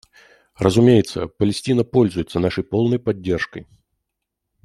Разумеется, Палестина пользуется нашей полной поддержкой.